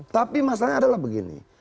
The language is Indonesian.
tapi masalahnya adalah begini